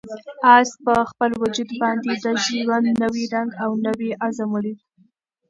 آس په خپل وجود باندې د ژوند نوی رنګ او نوی عزم ولید.